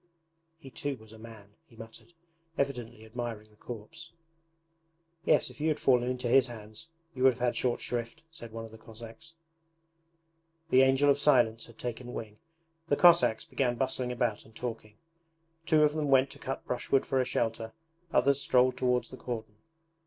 'He too was a man!' he muttered, evidently admiring the corpse. 'Yes, if you had fallen into his hands you would have had short shrift,' said one of the Cossacks. The Angel of Silence had taken wing. The Cossacks began bustling about and talking. Two of them went to cut brushwood for a shelter, others strolled towards the cordon.